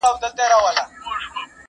کله لس کله مو سل په یوه آن مري!!